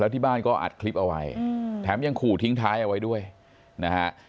ที่บ้านก็อัดคลิปเอาไว้แถมยังขู่ทิ้งท้ายเอาไว้ด้วยนะฮะ